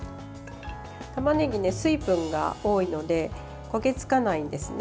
たまねぎ、水分が多いので焦げ付かないんですね。